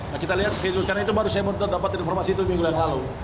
nah kita lihat karena itu baru saya dapat informasi itu minggu yang lalu